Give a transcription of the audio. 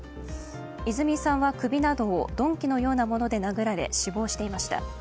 泉さんは首などを鈍器のようなもので殴られ死亡していました。